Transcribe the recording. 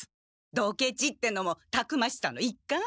ドケチってのもたくましさの一貫？